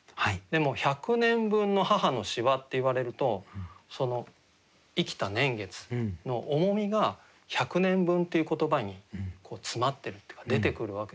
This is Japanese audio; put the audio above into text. でも「百年分の母の皺」って言われるとその生きた年月の重みが「百年分」という言葉に詰まってるっていうか出てくるわけですよね。